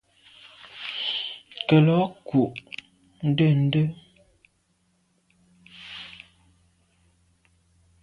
Nkelô ku’ ndende.